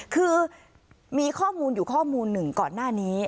คือมีข้อมูลอยู่ข้อมูลหนึ่งก่อนหน้านี้